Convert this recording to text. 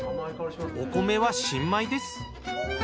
お米は新米です。